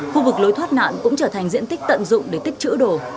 khu vực lối thoát nạn cũng trở thành diện tích tận dụng để tích chữ đồ